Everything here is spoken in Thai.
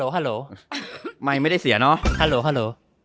เห็นไหมครับ